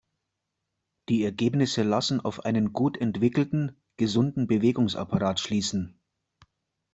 Die Ergebnisse lassen auf einen gut entwickelten, gesunden Bewegungsapparat schließen.